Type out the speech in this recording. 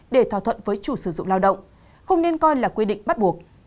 để thỏa thuận với chủ sử dụng lao động không nên coi là quy định bắt buộc